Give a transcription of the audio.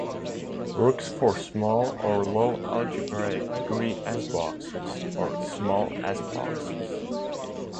Works for small or low algebraic degree S-boxes or small S-boxes.